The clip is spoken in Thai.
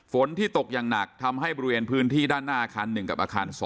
ฝนที่ตกอย่างหนักทำให้บริเวณพื้นที่ด้านหน้าอาคาร๑กับอาคาร๒